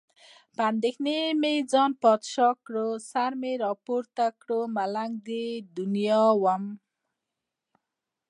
په اندېښنو مې ځان بادشاه کړ. سر مې راپورته کړ، ملنګ د دنیا ومه.